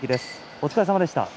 お疲れさまでした。